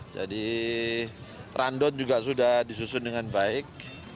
jadi randon juga sudah disusun dengan baik